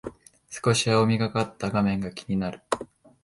少し青みがかった画面が気になる